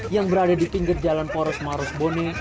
yang berada di pinggir jalan poros maros boni